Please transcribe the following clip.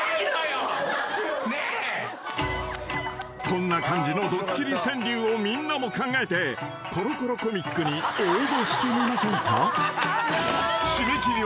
［こんな感じのドッキリ川柳をみんなも考えて『コロコロコミック』に応募してみませんか？］